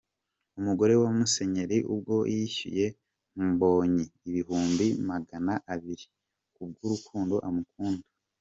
Umugore wa Musenyeri ubwe yishyuye Mbonyi ibihumbi magana abiri ‘ku bw’urukundo amukunda’.